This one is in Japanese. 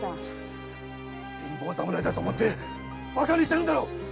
貧乏侍だと思ってバカにしているんだろう！